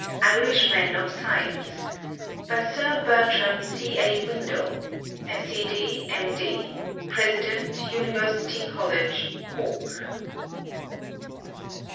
IRISH MEN OF SCIENCE By SIR BERTRAM C.A. WINDLE, Sc.D., M.D., President, University College, Cork.